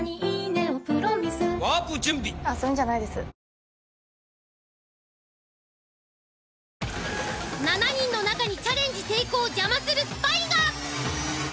リブネスタウンへ７人の中にチャレンジ成功を邪魔するスパイが！